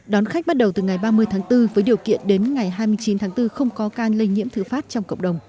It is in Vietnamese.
đón khách bắt đầu từ ngày ba mươi tháng bốn với điều kiện đến ngày hai mươi chín tháng bốn không có can lây nhiễm thứ phát trong cộng đồng